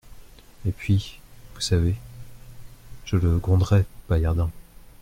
Et puis, vous savez, je le gronderai, Paillardin.